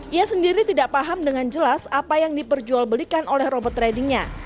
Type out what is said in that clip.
ia sendiri tidak paham dengan jelas apa yang diperjual belikan oleh robot tradingnya